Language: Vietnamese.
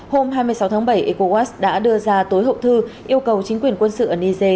hôm hai mươi sáu tháng bảy ecowas đã đưa ra tối hậu thư yêu cầu chính quyền quân sự ở niger